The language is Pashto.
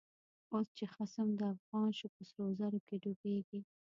اوس چه خصم دافغان شو، په سرو زرو کی ډوبیږی